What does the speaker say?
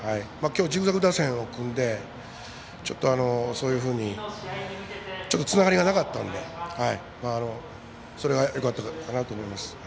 きょう、ジグザグ打線を組んでちょっと、そういうふうにつながりがなかったのでそれはよかったかなと思います。